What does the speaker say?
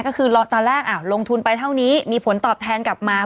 ก็คือตอนแรกลงทุนไปเท่านี้มีผลตอบแทนกลับมา